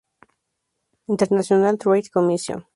International Trade Commission.